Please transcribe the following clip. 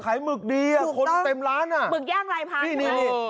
ขายหมึกดีอ่ะคนเต็มล้านอ่ะถูกต้องหมึกย่างลายพรางเลย